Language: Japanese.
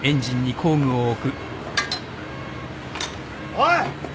おい！